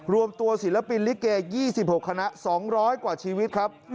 รวมตัวศิลปินลิเก๒๖คณะ๒๐๐กว่าชีวิตครับ